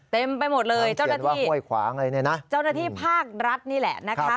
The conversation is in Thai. เต็มไปหมดเลยเจ้าหน้าที่ภาครัฐนี่แหละ